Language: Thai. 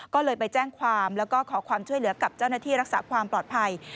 ก็เลยไปแจ้งความแล้วก็ขอความช่วยเหลือกับเจ้าหน้าที่รักษาความปลอดภัย